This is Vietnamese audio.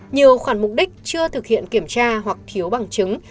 nhiều khoản mục đích chưa thực hiện kiểm tra hoặc thiếu bằng chứng